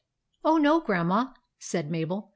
" Oh, no, Grandma," said Mabel.